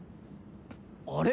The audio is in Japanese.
あれ？